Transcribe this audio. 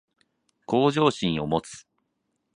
向上心を持つ